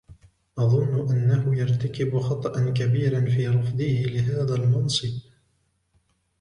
أظنّ أنّه يرتكب خطأ كبيرا في رفضه لهذا المنصب.